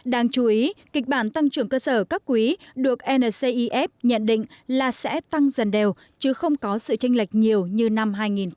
đáng chú ý kịch bản tăng trưởng cơ sở các quý được ncif nhận định là sẽ tăng dần đều chứ không có sự tranh lệch nhiều như năm hai nghìn một mươi tám